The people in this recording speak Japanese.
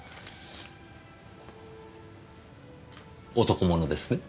男物ですね？